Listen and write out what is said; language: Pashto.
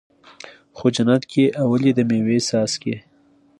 خو جنت کې اولي د مَيو څاڅکی